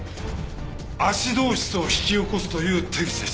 アシドーシスを引き起こすという手口でした。